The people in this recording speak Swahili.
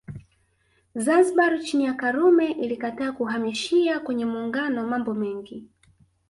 Zanzibar chini ya Karume ilikataa kuhamishia kwenye Muungano mambo mengi